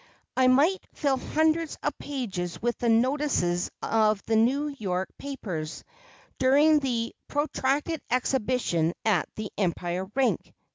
I might fill hundreds of pages with the notices of the New York papers during the protracted exhibition at the Empire Rink.